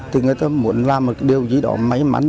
thì người ta muốn làm một điều gì đó may mắn